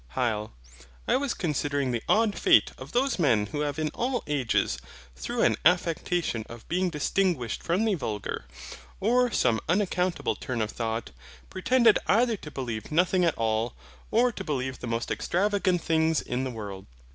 HYL. I was considering the odd fate of those men who have in all ages, through an affectation of being distinguished from the vulgar, or some unaccountable turn of thought, pretended either to believe nothing at all, or to believe the most extravagant things in the world.